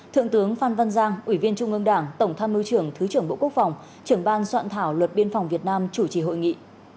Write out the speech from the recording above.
thượng tướng phan văn giang ủy viên trung ương đảng tổng tham mưu trưởng thứ trưởng bộ quốc phòng trưởng ban soạn thảo luật biên phòng việt nam chủ trì hội nghị